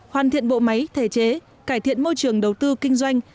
hoàn thiện bộ máy thể chế cải thiện môi trường đầu tư kinh doanh